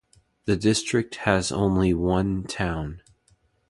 The district has only one town.